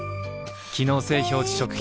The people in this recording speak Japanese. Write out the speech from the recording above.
機能性表示食品